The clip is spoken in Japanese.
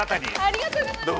ありがとうございます。